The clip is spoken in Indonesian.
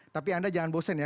tapi anda jangan bosen ya